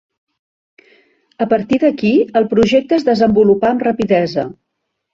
A partir d'aquí el projecte es desenvolupà amb rapidesa.